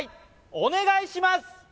お願いします